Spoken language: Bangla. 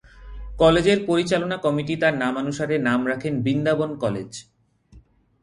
কলেজের পরিচালনা কমিটি তার নামানুসারে নাম রাখেন বৃন্দাবন কলেজ।